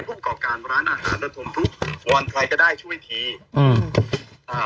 ภูมิกรอกการร้านอาหารละทมทุกวันท้ายก็ได้ช่วยทีอือ